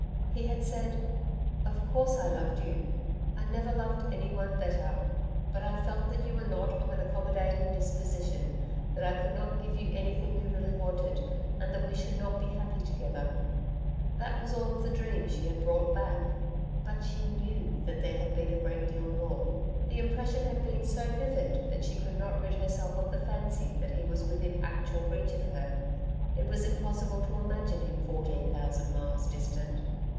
He had said, 'Of course, I loved you. I never loved anyone better, but I felt that you were not of an accommodating disposition that I could not give you anything you really wanted, and that we should not be happy together.' That was all of the dream she had brought back. But she KNEW that there had been a great deal more. The impression had been so vivid that she could not rid herself of the fancy that he was within actual reach of her. It was impossible to imagine him fourteen thousand miles distant.